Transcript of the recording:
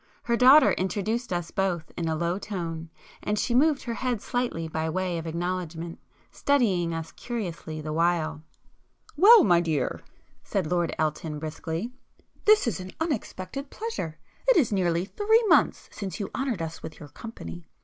Her daughter introduced us both in a low tone, and she moved her head slightly by way of acknowledgment, studying us curiously the while. "Well, my dear"—said Lord Elton briskly, "This is an unexpected pleasure! It is nearly three months since you honoured us with your company.